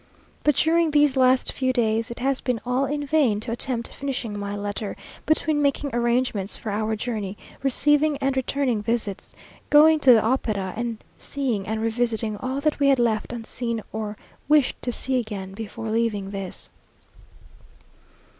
But during these last few days it has been all in vain to attempt finishing my letter, between making arrangements for our journey, receiving and returning visits, going to the opera, and seeing and revisiting all that we had left unseen or wished to see again before leaving this.